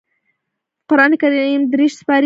قران کريم دېرش سپاري لري